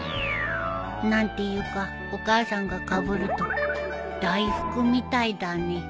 何ていうかお母さんがかぶると大福みたいだね。